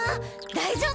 大丈夫！